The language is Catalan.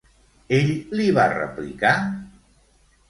Ell li va replicar?